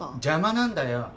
邪魔なんだよ！